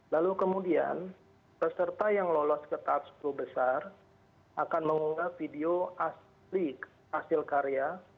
lalu kemudian peserta yang lolos ke tahap sepuluh besar akan mengunggah video asli hasil karya